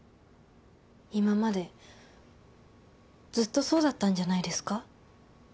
今までずっとそうだったんじゃないですか？